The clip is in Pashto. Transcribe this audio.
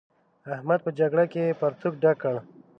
احمد په جګړه کې پرتوګ ډک کړ.